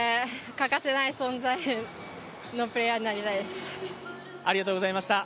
欠かせない存在のプレーヤーになりたいです。